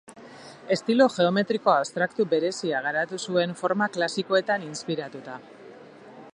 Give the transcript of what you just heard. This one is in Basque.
Estilo geometriko abstraktu berezia garatu zuen forma klasikoetan inspiratuta.